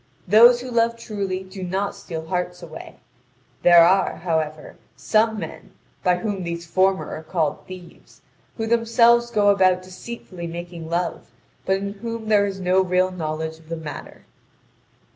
Those who love truly do not steal hearts away; there are, however, some men, by whom these former are called thieves, who themselves go about deceitfully making love, but in whom there is no real knowledge of the matter.